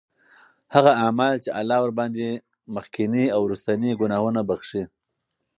هغه أعمال چې الله ورباندي مخکيني او وروستنی ګناهونه بخښي